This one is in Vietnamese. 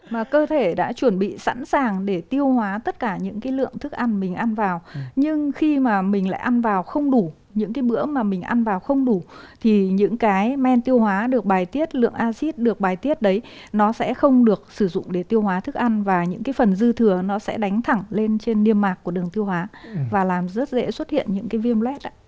mà cơ thể đã chuẩn bị sẵn sàng để tiêu hóa tất cả những cái lượng thức ăn mình ăn vào nhưng khi mà mình lại ăn vào không đủ những cái bữa mà mình ăn vào không đủ thì những cái men tiêu hóa được bài tiết lượng acid được bài tiết đấy nó sẽ không được sử dụng để tiêu hóa thức ăn và những cái phần dư thừa nó sẽ đánh thẳng lên trên niêm mạc của đường tiêu hóa và làm rất dễ xuất hiện những cái viêm red ạ